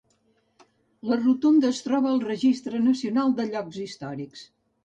La rotonda es troba al registre nacional de llocs històrics.